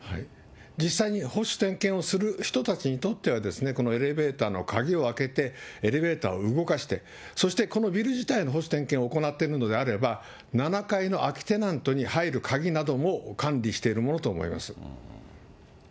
実際に保守点検をする人たちにとっては、このエレベーターの鍵を開けて、エレベーターを動かして、そしてこのビル自体の保守点検を行っているのであれば、７階の空きテナントに入る鍵なども管理しているものと思います。